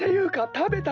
たべた。